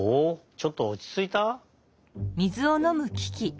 ちょっとはおちついた？